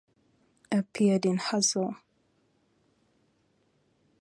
Appeared in "Hustle".